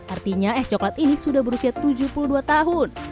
artinya es coklat ini sudah berusia tujuh puluh dua tahun